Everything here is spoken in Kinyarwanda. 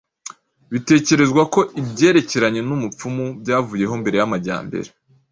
Bitekerezwa ko ibyerekeranye n’ubupfumu byavuyeho mbere y’amajyambere